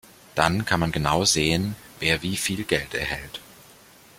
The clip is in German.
Dann kann man genau sehen, wer wie viel Geld erhält.